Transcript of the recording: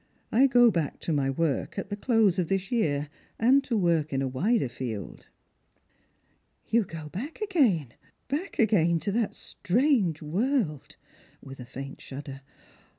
I go back to my work at the close of this year, and to work in a wider field." " You go back again, back again to that strange world !" with a faint shudder.